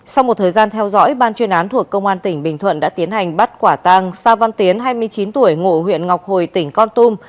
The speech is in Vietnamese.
sau một thời gian theo dõi ban chuyên án thuộc công an tỉnh bình thuận đã tiến hành bắt quả tang sa văn tiến hai mươi chín tuổi ngộ huyện ngọc hồi tỉnh con tum